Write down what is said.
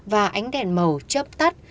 và ánh đèn màu chấp tắt